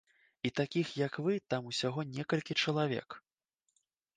І такіх, як вы там усяго некалькі чалавек.